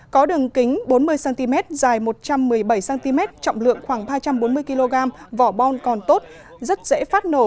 có đường kính bốn mươi cm dài một trăm một mươi bảy cm trọng lượng khoảng ba trăm bốn mươi kg vỏ bom còn tốt rất dễ phát nổ